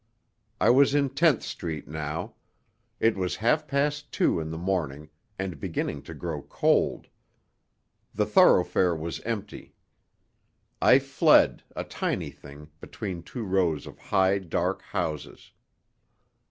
I was in Tenth Street now. It was half past two in the morning, and beginning to grow cold. The thoroughfare was empty. I fled, a tiny thing, between two rows of high, dark houses.